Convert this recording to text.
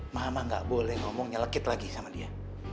mama gak boleh ngomong nyelekit lagi sama dia